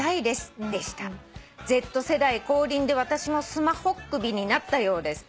「Ｚ世代降臨で私もスマホっ首になったようです」